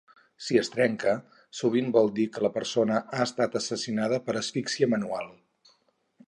Si es trenca, sovint vol dir que la persona ha estat assassinada per asfíxia manual.